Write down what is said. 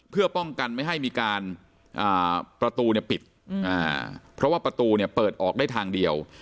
เพื่อป้องกันไม่ให้มีการประตูปิดเพราะว่าประตูเนี่ยเปิดออกได้ทางเดียว